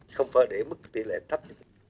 không phải để mức tỷ lệ thấp